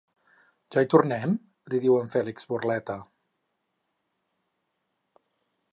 Ja hi tornem? —li diu el Fèlix, burleta.